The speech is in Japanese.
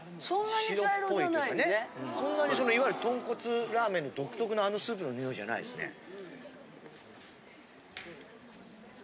そんなにそのいわゆるとんこつラーメンの独特なあのスープの匂いじゃないですね。